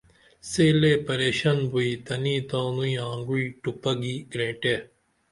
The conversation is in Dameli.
سے لے پریشن بوئی تنی تانوی آنگعوی ٹوپہ گی گرینٹے